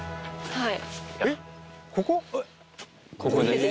はい。